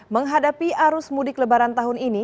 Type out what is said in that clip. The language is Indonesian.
menghadapi arus mudik lebaran tahun ini